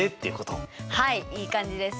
はいいい感じです！